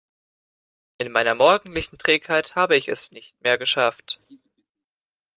In meiner morgendlichen Trägheit habe ich es nicht mehr geschafft.